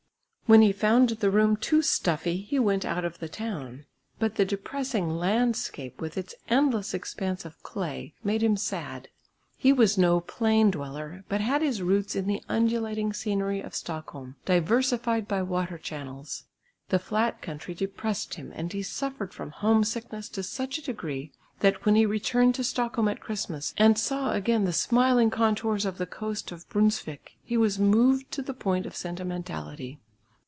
When he found the room too stuffy, he went out of the town. But the depressing landscape with its endless expanse of clay made him sad. He was no plain dweller, but had his roots in the undulating scenery of Stockholm, diversified by water channels. The flat country depressed him and he suffered from homesickness to such a degree that when he returned to Stockholm at Christmas and saw again the smiling contours of the coast of Brunsvik, he was moved to the point of sentimentality.